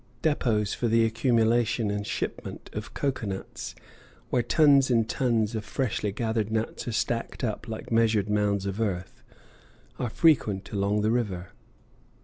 Depots for the accumulation and shipment of cocoa nuts, where tons and tons of freshly gathered nuts are stacked up like measured mounds of earth, are frequent along the river.